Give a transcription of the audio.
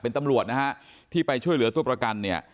เป็นตำรวจนะฮะที่ไปช่วยเหลือตัวประกันเนี่ย